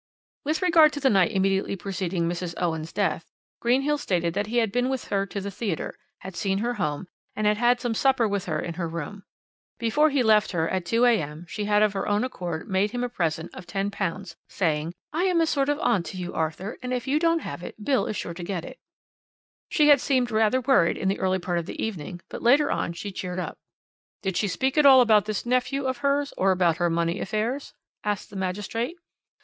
"With regard to the night immediately preceding Mrs. Owen's death, Greenhill stated that he had been with her to the theatre, had seen her home, and had had some supper with her in her room. Before he left her, at 2 a.m., she had of her own accord made him a present of £10, saying: 'I am a sort of aunt to you, Arthur, and if you don't have it, Bill is sure to get it.' "She had seemed rather worried in the early part of the evening, but later on she cheered up. "'Did she speak at all about this nephew of hers or about her money affairs? asked the magistrate.